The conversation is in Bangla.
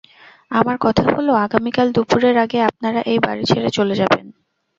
আমার কথা হল আগামীকাল, দুপুরের আগে আপনারা এই বাড়ি ছেড়ে চলে যাবেন।